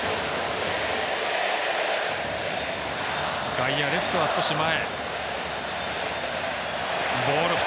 外野、レフトは少し前。